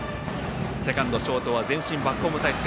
セカンド、ショートはバックホーム態勢。